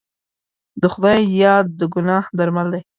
د خدای یاد د ګناه درمل دی.